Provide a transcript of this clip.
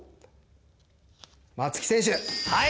松木選手！